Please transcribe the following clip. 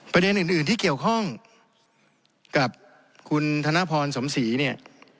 ประเด็นอื่นที่เกี่ยวข้องกับคุณธนพรสมศรีเนี่ย